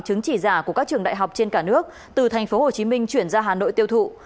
chứng chỉ giả của các trường đại học trên cả nước từ tp hcm chuyển ra hà nội tiêu thụ